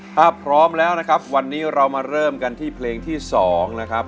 ถ้าพร้อมแล้วนะครับวันนี้เรามาเริ่มกันที่เพลงที่๒นะครับ